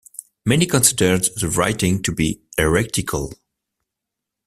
Many considered the writing to be heretical.